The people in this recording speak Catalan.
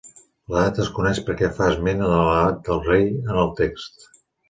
La data es coneix perquè fa esment de l'edat del rei en el text.